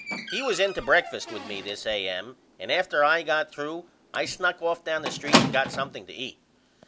He was in to breakfast with me this A.M. and after I got threw I snuck off down the street and got something to eat.